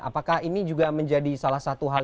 apakah ini juga menjadi salah satu hal